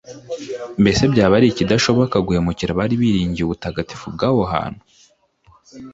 mbese byaba ari ikidashoboka guhemukira abari biringiye ubutagatifu bw'aho hantu